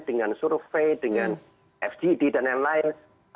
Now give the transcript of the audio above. dengan survei dengan fgd dan lain lain